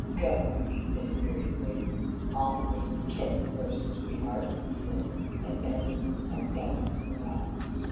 "Go!" she said imperiously. "I'll take a kiss first, sweetheart," he said, advancing with a sardonic smile.